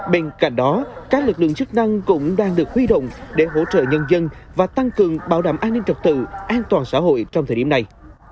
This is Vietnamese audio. bên cạnh đó các lực lượng chức năng cũng đang được huy động để hỗ trợ nhân dân và tăng cường bảo đảm an ninh trật tự an toàn xã hội trong thời điểm này